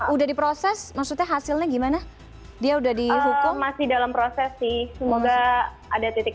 udah diproses maksudnya hasilnya gimana dia udah dihukum masih dalam proses sih semoga ada titik